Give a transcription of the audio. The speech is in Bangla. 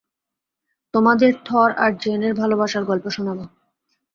তোমাদের থর আর জেনের ভালোবাসার গল্প শোনাবো।